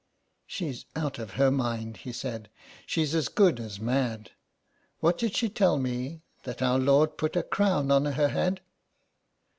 " She's out of her mind," he said. '^ She's as good as mad. What did she tell me — that Our Lord put a crown on her head."